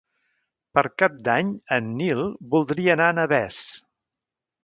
Per Cap d'Any en Nil voldria anar a Navès.